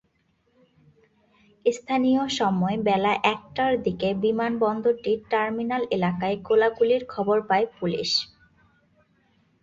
স্থানীয় সময় বেলা একটার দিকে বিমানবন্দরটির টার্মিনাল এলাকায় গোলাগুলির খবর পায় পুলিশ।